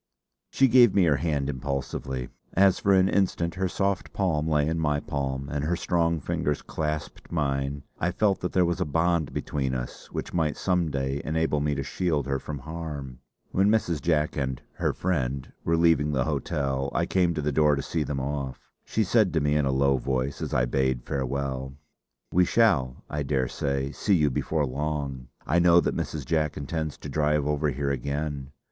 She gave me her hand impulsively. As for an instant her soft palm lay in my palm and her strong fingers clasped mine, I felt that there was a bond between us which might some day enable me to shield her from harm. When Mrs. Jack, and 'her friend', were leaving the hotel, I came to the door to see them off. She said to me, in a low voice, as I bade farewell: "We shall, I daresay, see you before long. I know that Mrs. Jack intends to drive over here again.